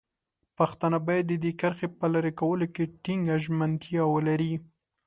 پښتانه باید د دې کرښې په لرې کولو کې ټینګه ژمنتیا ولري.